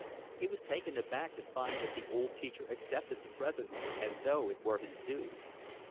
He was taken aback to find that the old teacher accepted the present as though it were his due.